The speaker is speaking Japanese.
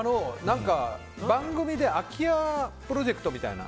番組で空き家プロジェクトみたいな。